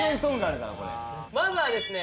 まずはですね